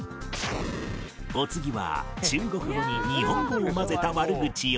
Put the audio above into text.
お次は中国語に日本語を混ぜた悪口を